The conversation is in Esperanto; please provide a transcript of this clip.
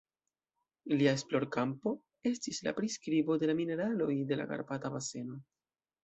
Lia esplorkampo estis la priskribo de la mineraloj de la Karpata baseno.